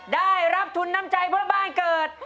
ได้รับทุนน้ำใจเพื่อบ้านเกิด